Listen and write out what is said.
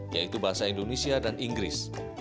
yaitu bahasa indonesia dan inggris